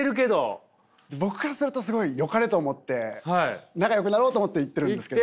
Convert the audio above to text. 僕からするとすごいよかれと思って仲よくなろうと思って言ってるんですけど。